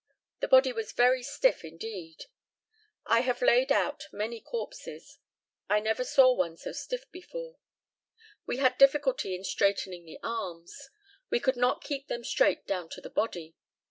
The body was very stiff indeed. I have laid out many corpses. I never saw one so stiff before. We had difficulty in straightening the arms. We could not keep them straight down to the body.